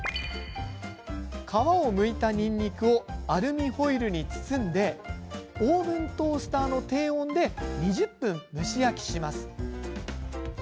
皮をむいた、にんにくをアルミホイルに包んでオーブントースターの低温で２０分、蒸し焼きします。